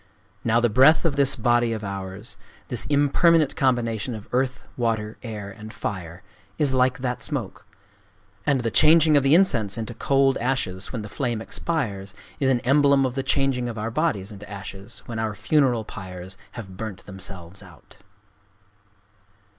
Now the breath of this body of ours,—this impermanent combination of Earth, Water, Air, and Fire,—is like that smoke. And the changing of the incense into cold ashes when the flame expires is an emblem of the changing of our bodies into ashes when our funeral pyres have burnt themselves out."